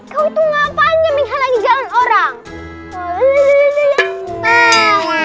kau itu ngapain ya menghalangi jalan orang